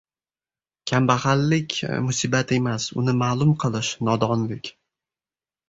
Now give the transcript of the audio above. • Kambag‘allik musibat emas. Uni ma’lum qilish — nodonlik.